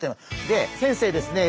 で先生ですね